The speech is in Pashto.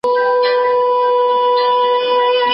نه « هینداره » چي مو شپې کړو ورته سپیني